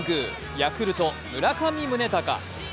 ヤクルト・村上宗隆。